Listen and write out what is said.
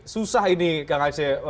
susah ini kang aceh